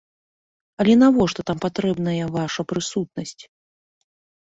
Але навошта там патрэбная ваша прысутнасць?